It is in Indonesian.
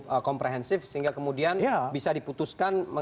yang komprehensif sehingga kemudian bisa diputuskan